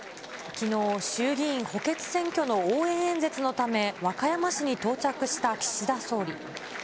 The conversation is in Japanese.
きのう、衆議院補欠選挙の応援演説のため和歌山市に到着した岸田総理。